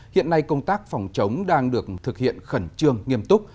hiện nay công tác phòng chống đang được thực hiện khẩn trương nghiêm túc